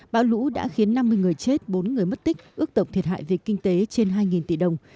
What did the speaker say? bão lũ đã khiến năm mươi người chết bốn người mất tích ước tổng thiệt hại về kinh tế trên hai tỷ đồng